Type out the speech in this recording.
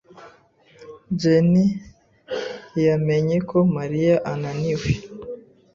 Jenie yamenye ko Mariya ananiwe.